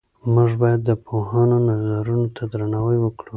موږ باید د پوهانو نظرونو ته درناوی وکړو.